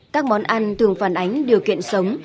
các món ăn thường phản ánh điều kiện sống